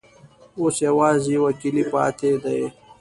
اوس یوازي یو کلی پاته دی.